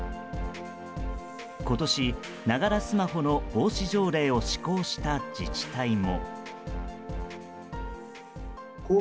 今年、ながらスマホの防止条例を施行した自治体も。